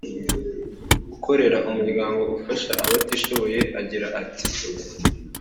ukorera umuryango ufasha abatishoboye agira ati